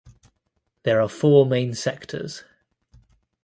The are four main sectors.